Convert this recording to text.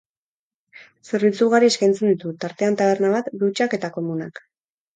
Zerbitzu ugari eskaintzen ditu, tartean taberna bat, dutxak eta komunak.